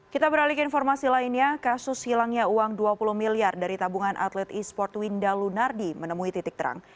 kita beralih ke informasi lainnya kasus hilangnya uang dua puluh miliar dari tabungan atlet e sport winda lunardi menemui titik terang